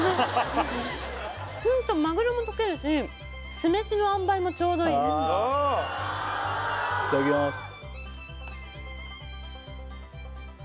ホントマグロも溶けるし酢飯のあんばいもちょうどいいですいただきます